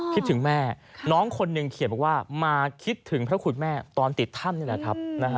คิดถึงแม่น้องคนหนึ่งเขียนบอกว่ามาคิดถึงพระคุณแม่ตอนติดถ้ำนี่แหละครับ